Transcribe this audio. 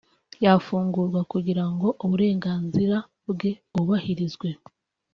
yafungurwa kugira ngo uburenganzira bwe bwubahirizwe